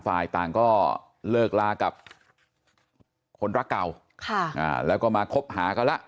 ฝ่ายต่างก็เลิกลากับคนรักเก่าแล้วก็มาคบหากันแล้ว